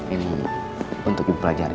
ini untuk bu pelajari